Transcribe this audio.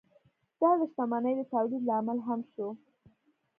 دا د شتمنۍ د تولید لامل هم شو.